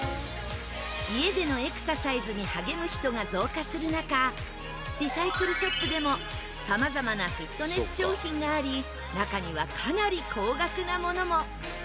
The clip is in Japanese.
家でのエクササイズに励む人が増加する中リサイクルショップでもさまざまなフィットネス商品があり中にはかなり高額なものも。